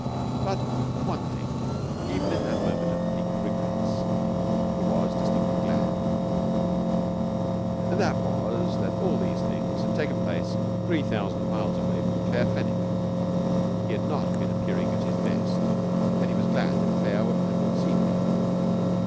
But of one thing, even in that moment of bleak regrets, he was distinctly glad, and that was that all these things had taken place three thousand miles away from Claire Fenwick. He had not been appearing at his best, and he was glad that Claire had not seen him.